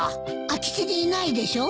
空き地にいないでしょ。